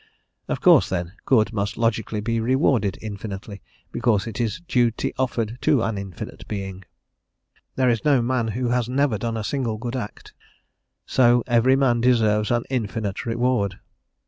Of course, then, good must logically be rewarded infinitely, because it is duty offered to an infinite being. There is no man who has never done a single good act, so every man deserves an infinite reward.